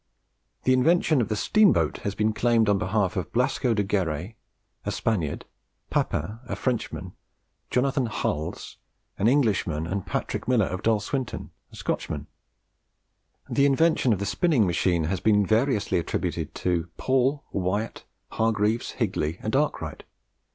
The invention of the steamboat has been claimed on behalf of Blasco de Garay, a Spaniard, Papin, a Frenchman, Jonathan Hulls, an Englishman, and Patrick Miller of Dalswinton, a Scotchman. The invention of the spinning machine has been variously attributed to Paul, Wyatt, Hargreaves, Higley, and Arkwright.